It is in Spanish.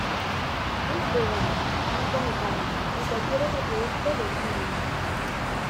Es vegano, no come carne ni cualquier otro producto de origen animal.